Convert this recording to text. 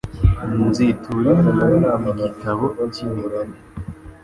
«Nzitura inabi» igitabo cy’Imigani